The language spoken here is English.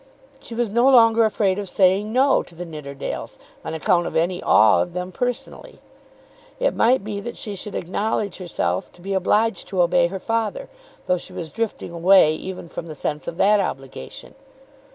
She was no longer afraid of saying No to the Nidderdales on account of any awe of them personally. It might be that she should acknowledge herself to be obliged to obey her father, though she was drifting away even from the sense of that obligation.